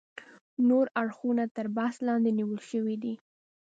نور اړخونه تر بحث لاندې نیول شوي دي.